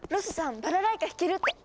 バラライカ弾けるって！